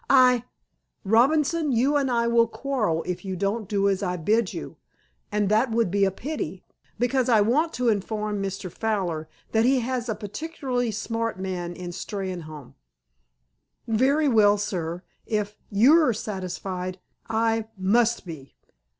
"I—" "Robinson, you and I will quarrel if you don't do as I bid you. And that would be a pity, because I want to inform Mr. Fowler that he has a particularly smart man in Steynholme." "Very well, sir, if you're satisfied, I must be."